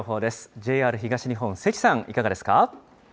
ＪＲ東日本、関さん、いかがですか。